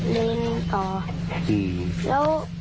แล้วผมก็เขาเลนส์ต่อ